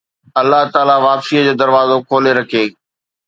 الله تعاليٰ واپسيءَ جو دروازو کولي رکي